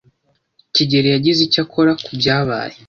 kigeli yagize icyo akora kubyabaye.